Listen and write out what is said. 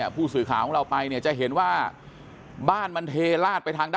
ผู้สื่อข่าวของเราไปจะเห็นว่าบ้านมันเทราะไปทาง